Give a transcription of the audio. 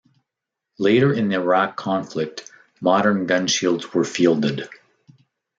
Later in the Iraq conflict, modern gunshields were fielded.